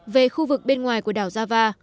về khu vực bên ngoài của đảo jakarta